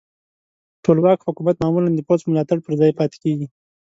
ټولواک حکومت معمولا د پوځ په ملاتړ پر ځای پاتې کیږي.